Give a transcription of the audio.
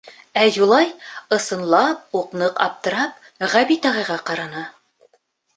Ә Юлай, ысынлап уҡ ныҡ аптырап, Ғәбит ағайға ҡараны.